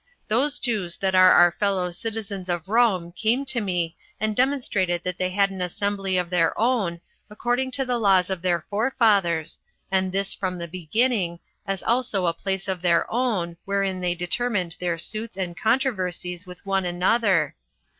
Those Jews that are our fellow citizens of Rome came to me, and demonstrated that they had an assembly of their own, according to the laws of their forefathers, and this from the beginning, as also a place of their own, wherein they determined their suits and controversies with one another.